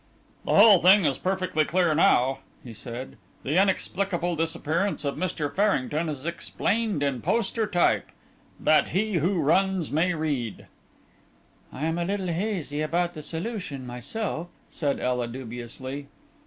"The whole thing is perfectly clear, now," he said. "The inexplicable disappearance of Mr. Farrington is explained in poster type, 'that he who runs may read.'" "I am a little hazy about the solution myself," said Ela dubiously.